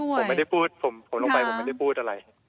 ไม่ครับผมไม่ได้พูดผมลงไปไม่ได้พูดอะไร